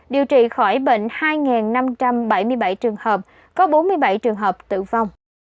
điều trị khỏi bệnh hai năm trăm bảy mươi bảy trường hợp có bốn mươi bảy trường hợp tử vong